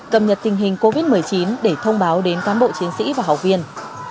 cập nhật tình hình covid một mươi chín để thông báo đến cán bộ chiến sĩ và học viên